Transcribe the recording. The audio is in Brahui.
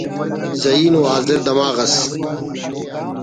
ذہین و حاضر دماغ ئس